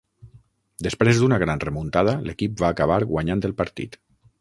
Després d'una gran remuntada, l'equip va acabar guanyant el partit.